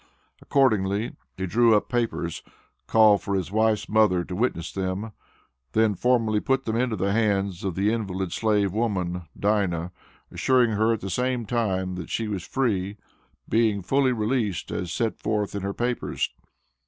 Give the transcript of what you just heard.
Accordingly he drew up papers, called for his wife's mother to witness them, then formally put them into the hands of the invalid slave woman (Dinah), assuring her at the same time, that she was free being fully released as set forth in her papers.